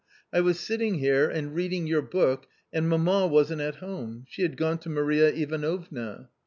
I was sitting here and reading your book and mamma wasn't at home ; she had gone to Maria Ivanovna.